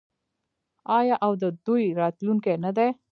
آیا او د دوی راتلونکی نه دی؟